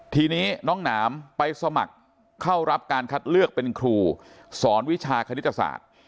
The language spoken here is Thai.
ทีนี้น้องหนามไปสมัครเข้ารับการคัดเลือกเป็นครูสอนวิชาคณิตศาสตร์